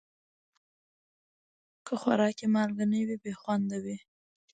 که خوراک کې مالګه نه وي، بې خوند وي.